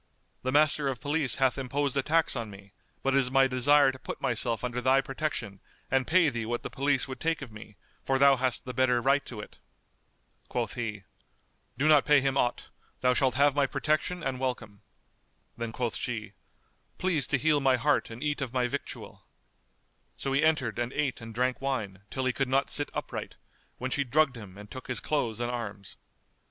The Master of Police hath imposed a tax on me, but it is my desire to put myself under thy protection and pay thee what the police would take of me, for thou hast the better right to it." Quoth he, "Do not pay him aught: thou shalt have my protection and welcome." Then quoth she, "Please to heal my heart and eat of my victual," So he entered and ate and drank wine, till he could not sit upright, when she drugged him and took his clothes and arms.